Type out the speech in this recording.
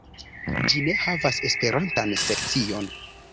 Ĝi ne havas esperantan sekcion.